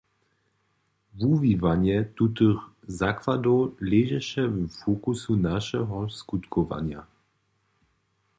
Wuwiwanje tutych zakładow ležeše w fokusu našeho skutkowanja.